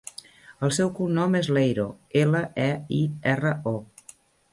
El seu cognom és Leiro: ela, e, i, erra, o.